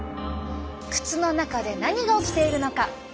靴の中で何が起きているのか。